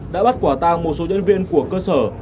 đã bắt quả tang một số nhân viên của cơ sở